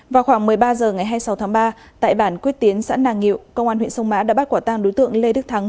vào khoảng một mươi ba h ngày hai mươi sáu tháng ba tại bản quyết tiến xã nàng ngu công an huyện sông mã đã bắt quả tang đối tượng lê đức thắng